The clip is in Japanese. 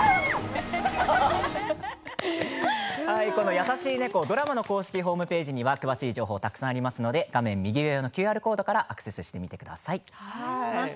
「やさしい猫」ドラマの公式ホームページには詳しい情報がたくさんありますので右上のＱＲコードからアクセスしてみてください。